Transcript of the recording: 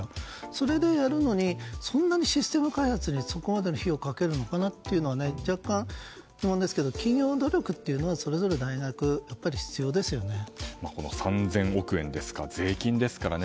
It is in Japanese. それでやるのにそんなにシステム開発にそこまでの費用をかけるのかなというのは若干、疑問ですけど企業努力というのはこの３０００億円は税金ですからね。